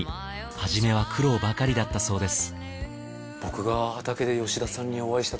初めは苦労ばかりだったそうです